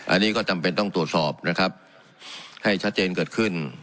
อันนี้ก็จำเป็นต้องตรวจสอบนะครับให้ชัดเจนเกิดขึ้น